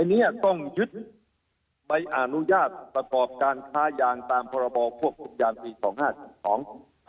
อันนี้ต้องยึดใบอนุญาตประกอบการค้ายางตามพรบควบคุมยางปีสองห้าสิบสอง